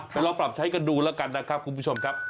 กันลองปรับใช้กันดูแล้วครับคุณผู้ชมครับ